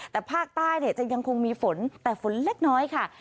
แต่ภาคใต้จะยังคงมีฝนแต่ฝนเล็กน้อยค่ะ